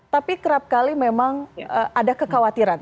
tapi kerap kali memang ada kekhawatiran